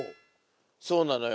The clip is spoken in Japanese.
そうなのよ